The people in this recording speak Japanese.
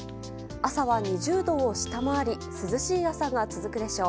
朝は２０度を下回り涼しい朝が続くでしょう。